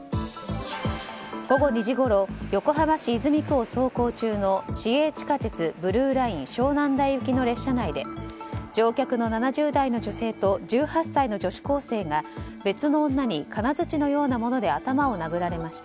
午後２時ごろ横浜市泉区を走行中の市営地下鉄ブルーライン湘南台行き列車の列車内で乗客の７０代の女性と１８歳の女子高生が別の女に金づちのようなもので頭を殴られました。